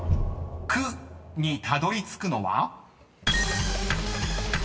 ［「く」にたどりつくのは？］